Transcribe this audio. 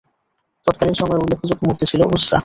তৎকালীন সময়ের উল্লেখযোগ্য মূর্তি ছিল উযযা।